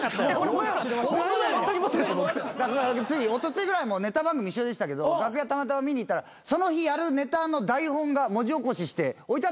おとついぐらいもネタ番組一緒でしたけど楽屋たまたま見に行ったらその日やるネタの台本が文字起こしして置いてあったんです。